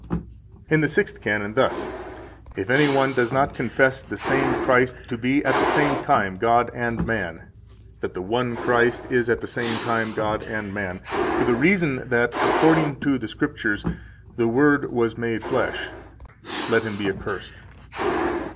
6 In the sixth canon, thus: "If any one does not confess the same Christ to be at the same time God and man [that the one Christ is at the same time God and man], for the reason that according to the Scriptures the Word was made flesh, let him be accursed."